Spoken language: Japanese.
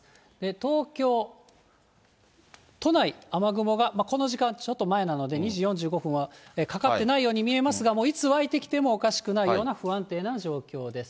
東京都内、雨雲がこの時間、ちょっと前なので、２時４５分はかかってないように見えますが、もういつわいてきてもおかしくないような、不安定な状況です。